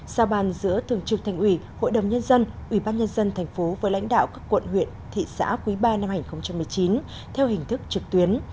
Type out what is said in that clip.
sao bàn giữa thường trực thành ủy hội đồng nhân dân ủy ban nhân dân thành phố với lãnh đạo các quận huyện thị xã quý ba năm hai nghìn một mươi chín theo hình thức trực tuyến